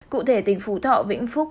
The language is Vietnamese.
cụ thể tỉnh phú thọ vĩnh phúc